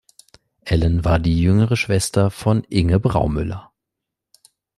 Ellen war die jüngere Schwester von Inge Braumüller.